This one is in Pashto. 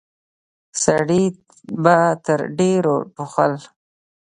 سړي به تر ډيرو ټوخل.